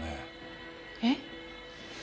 えっ？